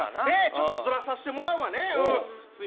ちょっとずらさせてもらう。